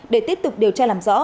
để tiếp tục điều tra làm rõ